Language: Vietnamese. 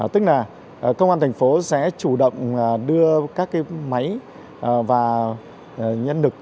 tức là công an thành phố sẽ chủ động đưa các máy và nhân nực